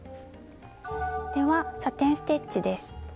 ではサテン・ステッチです。